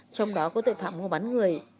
trong đó có tội phạm mua bán người